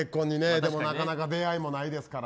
でもなかなか出会いもないですから。